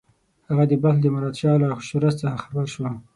هغه د بلخ د مراد شاه له ښورښ څخه خبر شو.